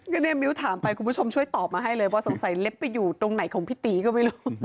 ก็เนี่ยมิ้วถามไปคุณผู้ชมช่วยตอบมาให้เลยว่าสงสัยเล็บไปอยู่ตรงไหนของพี่ตีก็ไม่รู้